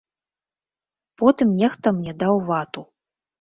Потым нехта мне даў вату.